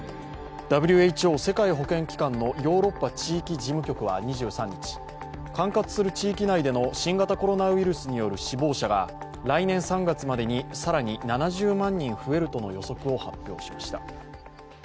ＷＨＯ＝世界保健機関のヨーロッパ地域事務局は２３日管轄する地域内での新型コロナウイルスによる死亡者が来年３月までに、更に７０万人増えるとの予測を発表しました。